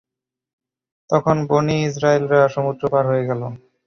তখন বনী ইসরাঈলরা সমুদ্র পার হয়ে গেল।